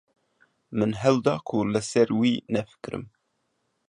Min hewl da ku li ser wî nefikirim.